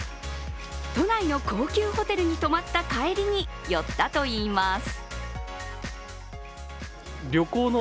都内の高級ホテルに泊まった帰りに寄ったといいます。